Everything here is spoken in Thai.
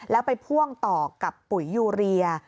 แล้วไปพ่วงต่อกับปุ๋ยยูเรีย